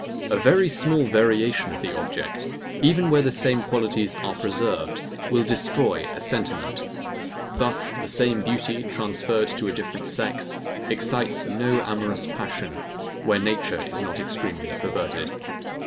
A very small variation of the object, even where the same qualities are preserved, will destroy a sentiment. Thus, the same beauty, transferred to a different sex, excites no amorous passion, where nature is not extremely perverted.